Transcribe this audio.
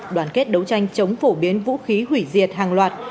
đoàn kết đấu tranh chống phổ biến vũ khí hủy diệt hàng loạt